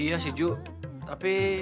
iya sih ju tapi